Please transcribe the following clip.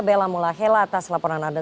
bella mulahela atas laporan anda